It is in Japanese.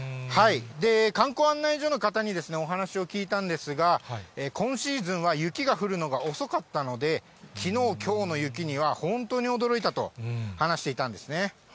観光案内所の方にお話を聞いたんですが、今シーズンは雪が降るのが遅かったので、きのう、きょうの雪には本当に驚いたと話していたんですね。